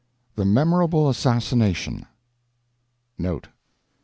THE MEMORABLE ASSASSINATION Note.